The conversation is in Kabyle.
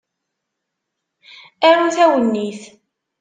Arut awennit.